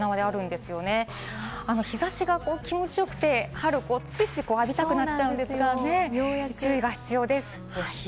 日差しが気持ちよくて、春はついついと浴びたくなっちゃうんですが、注意が必要です。